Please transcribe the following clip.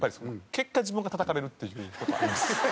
結果自分がたたかれるっていう事はあります。